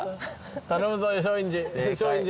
頼むぞ松陰寺。